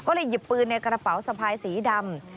ก็เลยหยิบปืนในกระเป๋าสะพายสีดำ